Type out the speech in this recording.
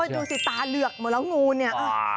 ดูสิตาเหลือกหมดแล้วงูเนี่ย